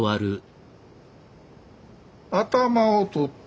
頭を取って。